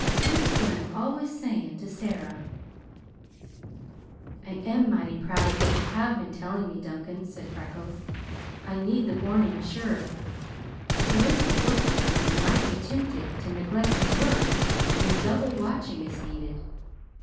Juist what I'm always sayin' to Sarah." "I am mighty proud of what you have been telling me, Duncan," said Freckles. "I need the warning, sure. For with the books coming I might be timpted to neglect me work when double watching is needed.